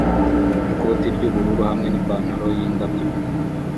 ikoti ry'ubururu hamwe n'ipantaro yindabyo